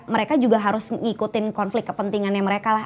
mereka juga harus mengikuti konflik kepentingannya mereka lah